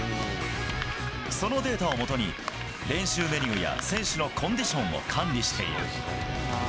そのデータを基に、練習メニューや、選手のコンディションを管理している。